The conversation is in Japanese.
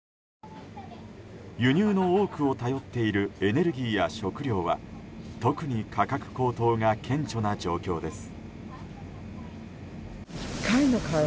輸入の多くを頼っているエネルギーや食料は特に価格高騰が顕著な状況です。